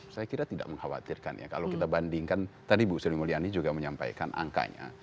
saya kira tidak mengkhawatirkan ya kalau kita bandingkan tadi bu sri mulyani juga menyampaikan angkanya